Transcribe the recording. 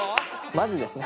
まずですね